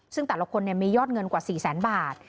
ซึ่งแต่ละคนมียอดเงินกว่า๔แสนบาท